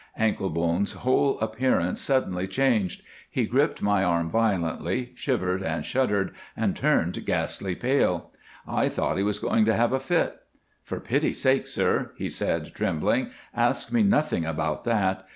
Anklebone's whole appearance suddenly changed; he gripped my arm violently, shivered and shuddered, and turned ghastly pale. I thought he was going to have a fit. "For pity's sake, sir," he said, trembling, "ask me nothing about that.